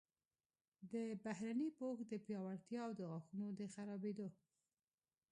د بهرني پوښ د پیاوړتیا او د غاښونو د خرابیدو